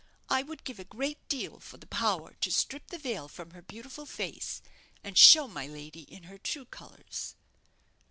I would give a great deal for the power to strip the veil from her beautiful face, and show my lady in her true colours!"